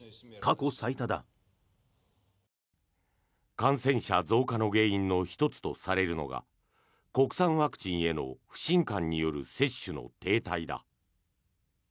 感染者増加の原因の１つとされるのが国産ワクチンへの不信感による接種の停滞だ。